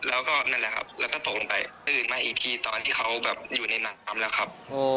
แล้วก็นั่นแหละครับแล้วก็ตกลงไปตื่นมาอีกทีตอนที่เขาแบบอยู่ในหนังปั๊มแล้วครับ